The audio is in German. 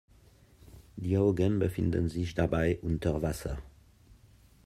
Die Augen befinden sich dabei unter Wasser.